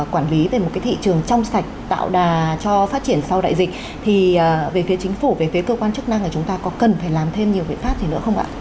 quản lý về một cái thị trường trong sạch tạo đà cho phát triển sau đại dịch thì về phía chính phủ về phía cơ quan chức năng là chúng ta có cần phải làm thêm nhiều biện pháp gì nữa không ạ